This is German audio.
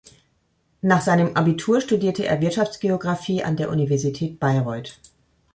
Nach seinem Abitur studierte er Wirtschaftsgeographie an der Universität Bayreuth.